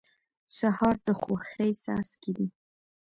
سهار د خوښۍ څاڅکي دي.